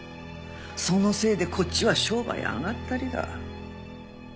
そのせいでこっちは商売あがったりだ。